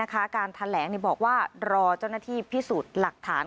การแถลงบอกว่ารอเจ้าหน้าที่พิสูจน์หลักฐาน